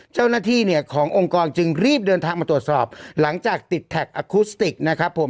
เจ้าหน้าที่เนี่ยขององค์กรจึงรีบเดินทางมาตรวจสอบหลังจากติดแท็กอคุสติกนะครับผม